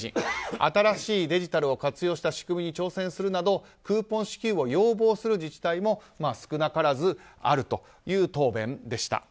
新しいデジタルを活用した仕組みに挑戦するなどクーポン支給を要望する自治体も少なからずあるという答弁でした。